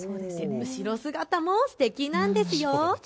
後ろ姿もすてきなんですよ。